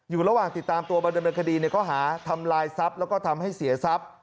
อยู่ระหว่างติดตามตัวมาดำเนินคดีในข้อหาทำลายทรัพย์แล้วก็ทำให้เสียทรัพย์